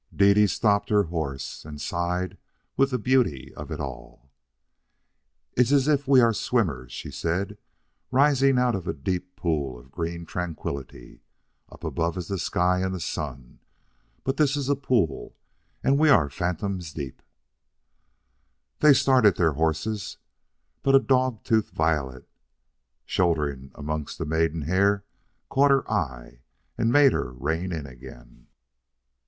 Dede stopped her horse and sighed with the beauty of it all. "It is as if we are swimmers," she said, "rising out of a deep pool of green tranquillity. Up above is the sky and the sun, but this is a pool, and we are fathoms deep." They started their horses, but a dog tooth violet, shouldering amongst the maidenhair, caught her eye and made her rein in again.